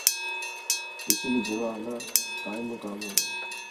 کسی کی جگہ آنا، قائم مقام ہونا